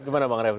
gimana pak raffi